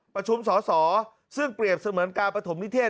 ประชุมสอสอซึ่งเปรียบเสมือนการประถมนิเทศ